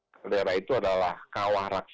kaldera itu adalah kawah raksa